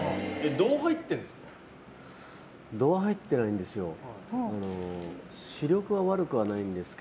度が入っているんですか？